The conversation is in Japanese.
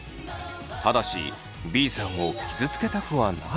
ただしＢさんを傷つけたくはないそうです。